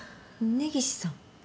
根岸さん？